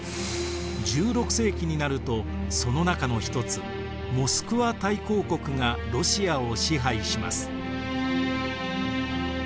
１６世紀になるとその中の一つモスクワ大公国がロシアを支配します。